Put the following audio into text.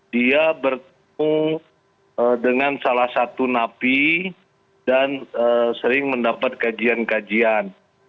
dia bertemu dengan salah satu napi dan sering mendapat kajian kajian